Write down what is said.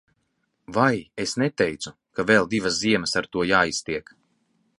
Vai es neteicu, ka vēl divas ziemas ar to jāiztiek.